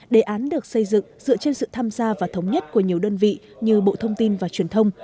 đề án được xây dựng dựa trên sự tham gia và thống nhất của nhiều đơn vị như bộ thông tin và truyền thông